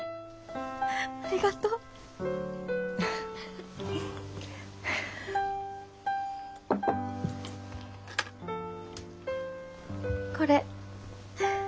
ありがとう。これ。